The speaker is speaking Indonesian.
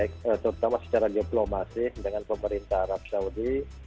terutama secara diplomasi dengan pemerintah arab saudi